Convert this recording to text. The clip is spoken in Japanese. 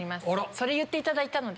それ言っていただいたので。